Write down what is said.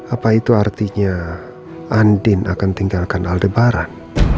apa itu artinya andin akan tinggalkan aldebar